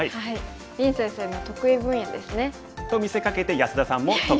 林先生の得意分野ですね。と見せかけて安田さんも得意ですよ。